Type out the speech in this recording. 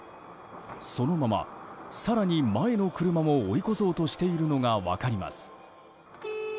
そのまま更に前の車も追い越そうとしているのが分かります。